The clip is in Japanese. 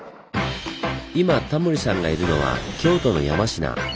今タモリさんがいるのは京都の山科。